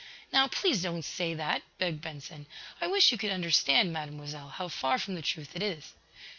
"Now, please don't say that," begged Benson. "I wish you could understand, Mademoiselle, how far from the truth it is."